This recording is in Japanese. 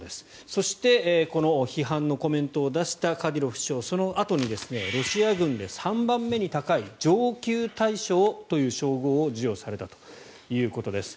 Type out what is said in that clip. そして、この批判のコメントを出したカディロフ首長そのあとにロシア軍で３番目に高い上級大将という称号を授与されたということです。